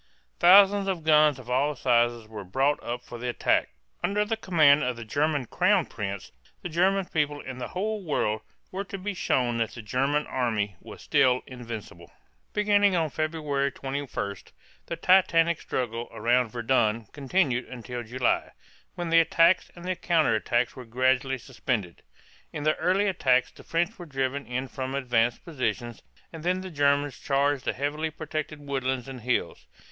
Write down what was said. Thousands of guns of all sizes were brought up for the attack. Under the command of the German crown prince, the German people and the whole world were to be shown that the German army was still invincible. Beginning on February 21, the titanic struggle around Verdun continued until July, when the attacks and counter attacks were gradually suspended. In the early attacks the French were driven in from advanced positions, and then the Germans charged the heavily protected woodlands and hills.